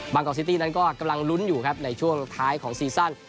กอกซิตี้นั้นก็กำลังลุ้นอยู่ครับในช่วงท้ายของซีซั่น